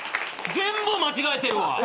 全部間違えてるわ。